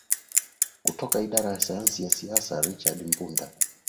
kutoka idara ya sayansi ya siasa richard mbunda